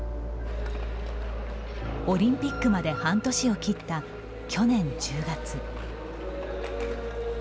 オリンピックまで半年を切った去年１０月。